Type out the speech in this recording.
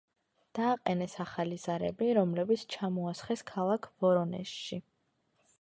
დააყენეს ახალი ზარები, რომლებიც ჩამოასხეს ქალაქ ვორონეჟში.